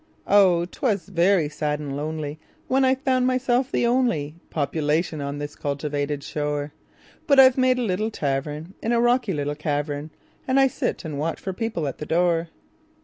Oh! 'twas very sad and lonelyWhen I found myself the onlyPopulation on this cultivated shore; But I've made a little tavernIn a rocky little cavern, And I sit and watch for people at the door.